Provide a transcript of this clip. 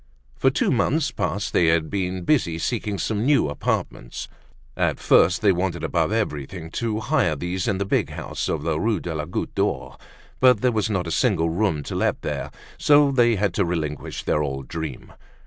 For two months past they had been busy seeking some new apartments. At first they wanted above everything to hire these in the big house of the Rue de la Goutte d'Or. But there was not a single room to let there; so that they had to relinquish their old dream.